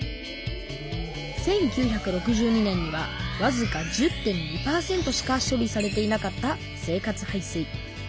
１９６２年にはわずか１０．２％しか処理されていなかった生活排水。